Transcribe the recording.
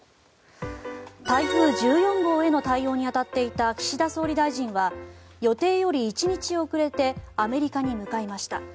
台風１４号への対応に当たっていた岸田総理大臣は予定より１日遅れてアメリカに向かいました。